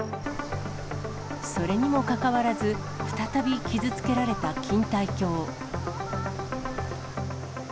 それにもかかわらず、再び傷つけられた錦帯橋。